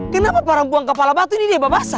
kenapa para buang kepala batu ini diebabasa